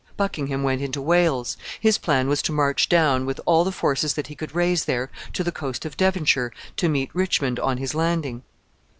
Buckingham went into Wales. His plan was to march down, with all the forces that he could raise there, to the coast of Devonshire, to meet Richmond on his landing.